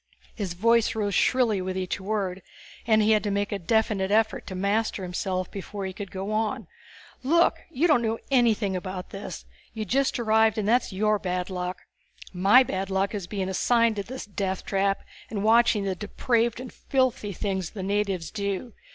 His voice rose shrilly with each word, and he had to make a definite effort to master himself before he could go on. "Look. You don't know anything about this. You just arrived and that's your bad luck. My bad luck is being assigned to this death trap and watching the depraved and filthy things the natives do.